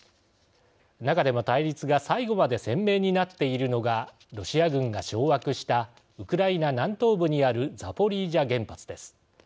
中でも対立が最後まで鮮明になっているのがロシア軍が掌握したウクライナ南東部にあるザポリージャ原発です。